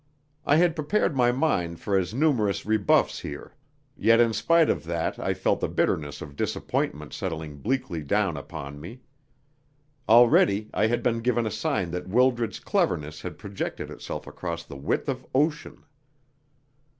I had prepared my mind for as numerous rebuffs here, yet in spite of that I felt the bitterness of disappointment settling bleakly down upon me. Already I had been given a sign that Wildred's cleverness had projected itself across the width of ocean.